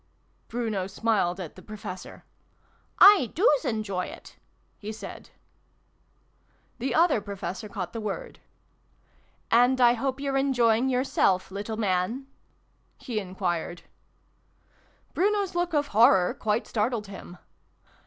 ' Bruno smiled at the Professor. " I doos enjoy it," he said. xxni] THE PIG TALE. 375 The Other Professor caught the word. " And I hope you're enjoying yourself, little Man ?"" he enquired. Bruno's look of horror quite startled him.